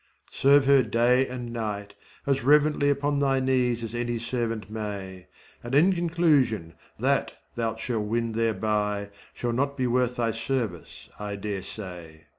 Serve her day and night, as reverently Upon thy knees as any servant may, And in conclusion, that31 thou shalt win thereby Shall not be worth thy service I dare say.